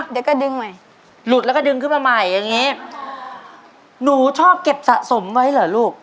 เดี๋ยวก็ดึงใหม่หลุดแล้วก็ดึงขึ้นมาใหม่อย่างงี้หนูชอบเก็บสะสมไว้เหรอลูก